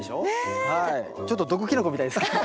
ちょっと毒キノコみたいですけど。